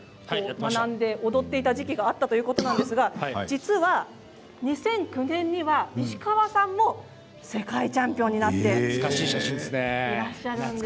学んで踊っていた時期があったということなんですが、実は２００９年には石川さんも世界チャンピオンになっているんです。